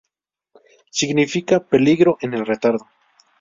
Significa "peligro en el retardo".